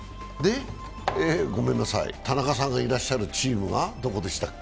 ごめんなさい、田中さんがいらっしゃるチームがどこでしたっけ？